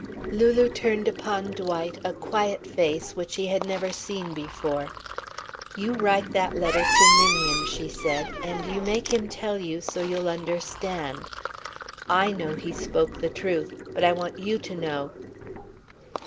Lulu turned upon Dwight a quiet face which he had never seen before. "You write that letter to Ninian," she said, "and you make him tell you so you'll understand. I know he spoke the truth. But I want you to know."